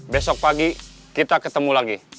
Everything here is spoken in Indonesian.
besok pagi kita ketemu lagi